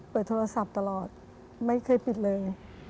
โทรศัพท์ตลอดไม่เคยปิดเลย